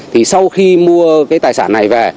thì sau khi mua cái tài sản này về